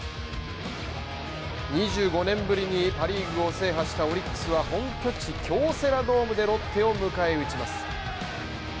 ２５年ぶりにたパ・リーグを制覇したオリックスは本拠地京セラドームでロッテを迎え撃ちます。